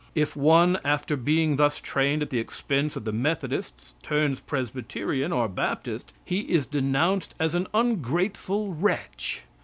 If one after being thus trained at the expense of the Methodists turns Presbyterian or Baptist, he is denounced as an ungrateful wretch.